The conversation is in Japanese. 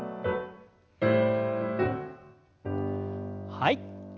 はい。